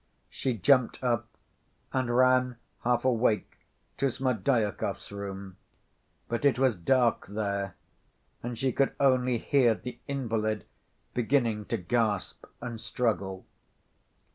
She jumped up and ran half‐awake to Smerdyakov's room. But it was dark there, and she could only hear the invalid beginning to gasp and struggle.